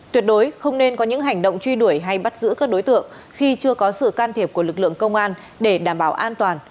tuyệt đối không nên có những hành động truy đuổi hay bắt giữ các đối tượng khi chưa có sự can thiệp của lực lượng công an để đảm bảo an toàn